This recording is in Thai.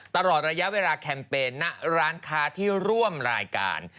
ตลอดระยะเวลาแคมเปญณร้านค้าที่ร่วมรายการ